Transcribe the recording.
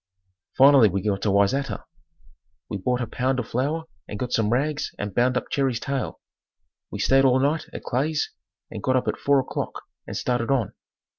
Finally we got to Wayzata. We bought a pound of flour and got some rags and bound up Jerry's tail. We stayed all night at Clay's and got up at 4 o'clock and started on.